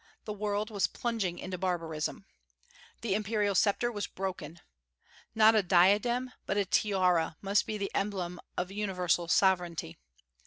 The world was plunging into barbarism. The imperial sceptre was broken. Not a diadem, but a tiara, must be the emblem of universal sovereignty.